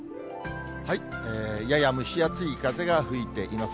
やや蒸し暑い風が吹いています。